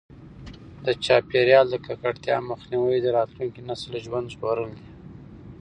د چاپیریال د ککړتیا مخنیوی د راتلونکي نسل ژوند ژغورل دي.